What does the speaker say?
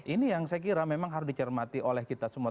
ini yang saya kira memang harus dicermati oleh kita semua